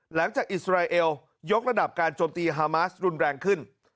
อิสราเอลยกระดับการโจมตีฮามาสรุนแรงขึ้น